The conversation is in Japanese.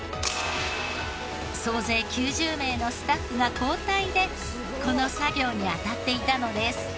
総勢９０名のスタッフが交代でこの作業にあたっていたのです。